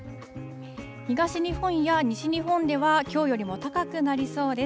東日本や西日本ではきょうよりも高くなりそうです。